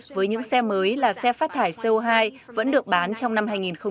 với những xe mới là xe phát thải co hai vẫn được bán trong năm hai nghìn bốn mươi